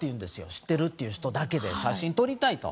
知ってるっていう人だけで写真を撮りたいと。